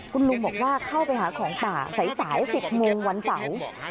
คุณลุงบอกว่าเข้าไปหาของป่าสาย๑๐โมงวันเสาร์